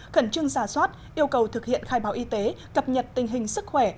khẩn trương giả soát yêu cầu thực hiện khai báo y tế cập nhật tình hình sức khỏe